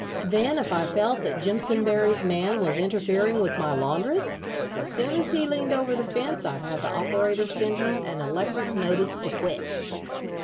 Then if I felt that Jimpsonberry's man was interfering with my laundress, as soon as he leaned over the fence I'd have the operator send him an electric notice to quit."